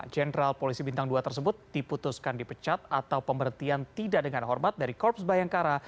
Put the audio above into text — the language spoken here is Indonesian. jenderal polisi bintang dua tersebut diputuskan dipecat atau pemberhentian tidak dengan hormat dari korps bayangkara